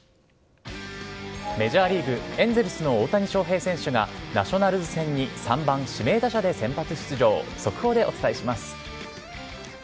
メジャーリーグ・エンゼルスの大谷翔平選手が、ナショナルズ戦に３番指名打者で先発出場、速報でお伝えします。